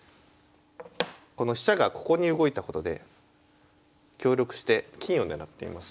この飛車がここに動いたことで協力して金を狙っています。